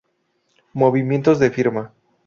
Movimientos de firma